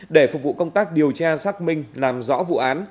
để phục vụ công tác điều tra xác minh làm rõ vụ án